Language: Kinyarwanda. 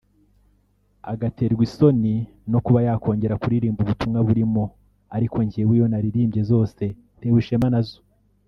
agaterwa isoni no kuba yakongera kuririmba ubutumwa burimo ariko njyewe izo naririmbye zose ntewe ishema nazo